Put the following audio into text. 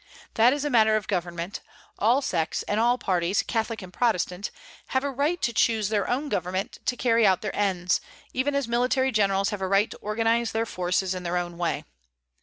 That is a matter of government; all sects and all parties, Catholic and Protestant, have a right to choose their own government to carry out their ends, even as military generals have a right to organize their forces in their own way.